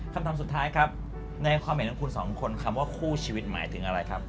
คำถามสุดท้ายครับในความเห็นของคุณสองคนคำว่าคู่ชีวิตหมายถึงอะไรครับ